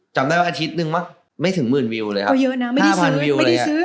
จำได้ว่าอาทิตย์หนึ่งมันไม่ถึงหมื่นวิวเลยครับ๕๐๐๐๐๐วิว